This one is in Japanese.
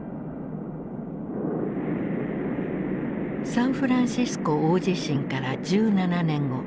サンフランシスコ大地震から１７年後。